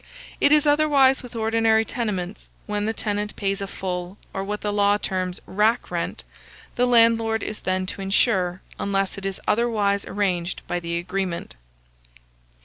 It is otherwise with ordinary tenements, when the tenant pays a full, or what the law terms rack rent; the landlord is then to insure, unless it is otherwise arranged by the agreement.